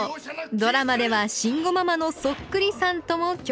ドラマでは慎吾ママのそっくりさんとも共演。